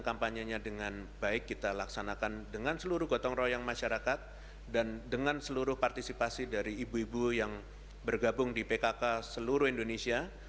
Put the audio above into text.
kampanyenya dengan baik kita laksanakan dengan seluruh gotong royong masyarakat dan dengan seluruh partisipasi dari ibu ibu yang bergabung di pkk seluruh indonesia